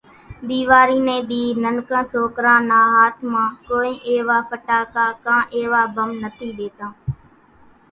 ۮيواري ني ۮي ننڪان سوڪران نا ھاٿ مان ڪونئين ايوا ڦٽاڪا ڪان ايوا ڀم نٿي ۮيتان۔